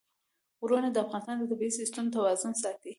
غرونه د افغانستان د طبعي سیسټم توازن ساتي.